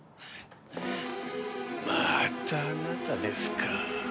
またあなたですか。